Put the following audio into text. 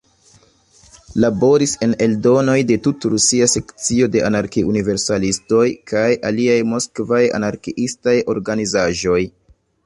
Laboris en eldonoj de "Tut-Rusia sekcio de anarki-universalistoj" kaj aliaj moskvaj anarkiistaj organizaĵoj.